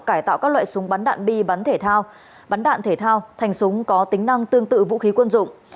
cải tạo các loại súng bắn đạn bi bắn thể thao thành súng có tính năng tương tự vũ khí quân dụng